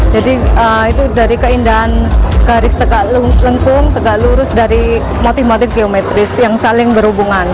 itu dari keindahan garis lengkung tegak lurus dari motif motif geometris yang saling berhubungan